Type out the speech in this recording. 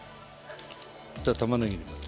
そしたらたまねぎ入れます。